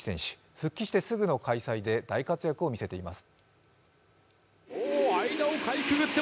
復帰すぐの大会で大活躍を見せています。